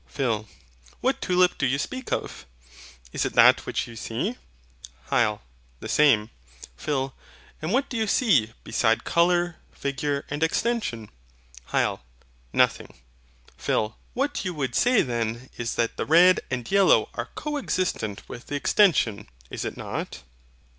PHIL. What tulip do you speak of? Is it that which you see? HYL. The same. PHIL. And what do you see beside colour, figure, and extension? HYL. Nothing. PHIL. What you would say then is that the red and yellow are coexistent with the extension; is it not?